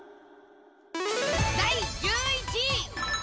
第１１位。